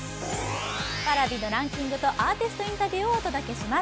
Ｐａｒａｖｉのランキングとアーティストインタビューをお届けします。